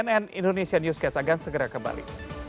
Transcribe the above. cnn indonesia newscast akan segera kembali